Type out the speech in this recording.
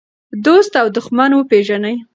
دوست او دښمن وپېژنئ.